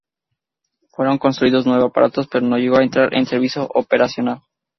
Fueron construidos nueve aparatos pero no llegó a entrar en servicio operacional.